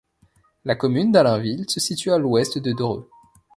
La commune d'Allainville se situe à à l'ouest de Dreux.